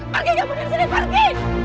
pergi kamu dari sini pergi